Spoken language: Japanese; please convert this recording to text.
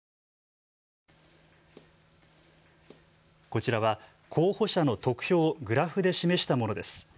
こちらは候補者の得票をグラフで示したものです。